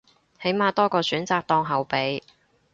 起碼多個選擇當後備